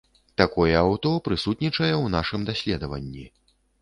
Такое аўто прысутнічае ў нашым даследаванні.